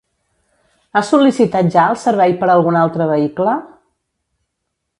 Ha sol·licitat ja el servei per algun altre vehicle?